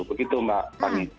begitu mbak fani